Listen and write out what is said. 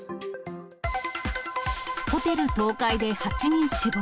ホテル倒壊で８人死亡。